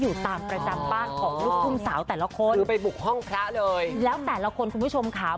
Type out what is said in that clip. อยู่ตามประจำบ้านของลูกทุ่งสาวแต่ละคนคือไปบุกห้องพระเลยแล้วแต่ละคนคุณผู้ชมค่ะ